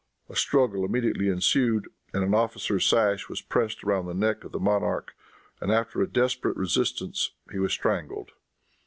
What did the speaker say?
A struggle immediately ensued, and an officer's sash was passed around the neck of the monarch, and after a desperate resistance he was strangled.